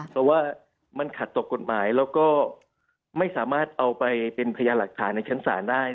เพราะว่ามันขัดต่อกฎหมายแล้วก็ไม่สามารถเอาไปเป็นพยานหลักฐานในชั้นศาลได้